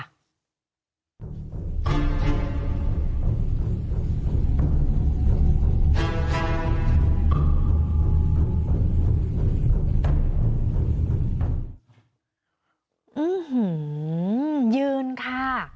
ื้อหือยืนค่ะ